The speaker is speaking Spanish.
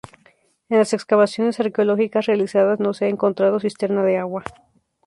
En las excavaciones arqueológicas realizadas no se ha encontrado cisterna de agua.